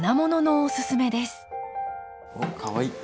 おっかわいい。